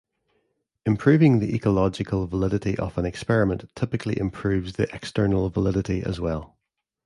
Improving the ecological validity of an experiment typically improves the external validity as well.